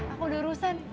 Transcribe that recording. aku udah urusan